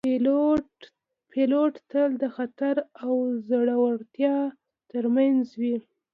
پیلوټ تل د خطر او زړورتیا ترمنځ وي